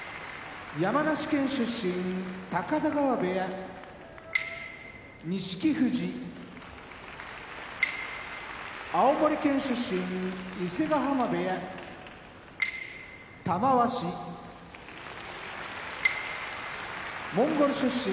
高田川部屋錦富士青森県出身伊勢ヶ濱部屋玉鷲モンゴル出身